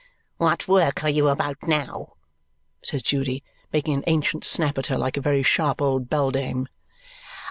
"What work are you about now?" says Judy, making an ancient snap at her like a very sharp old beldame.